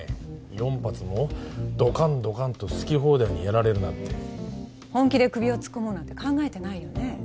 ４発もドカンドカンと好き放題にやられるなんて本気で首を突っ込もうなんて考えてないよね？